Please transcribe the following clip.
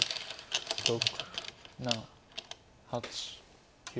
６７８９。